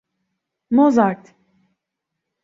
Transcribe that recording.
Mozart.